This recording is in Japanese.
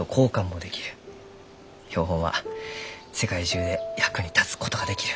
標本は世界中で役に立つことができる。